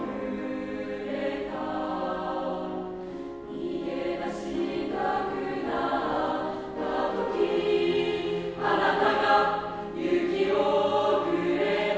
「逃げ出したくなった時あなたが勇気をくれた」